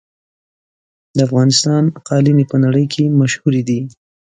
د افغانستان قالینې په نړۍ کې مشهورې دي.